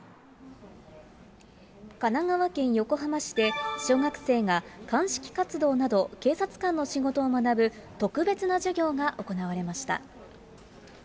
神奈川県横浜市で、小学生が鑑識活動など警察官の仕事を学ぶ特別な授業が行われました。